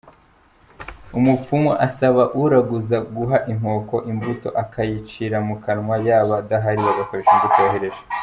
Umupfumu asaba uraguza guha inkoko imbuto, akayiciramu kanwa, yaba adahari bagakoresha imbuto yohereje.